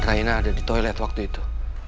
dan raina ada di toilet waktu itu